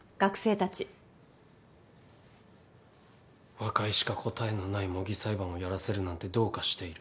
和解しか答えのない模擬裁判をやらせるなんてどうかしている。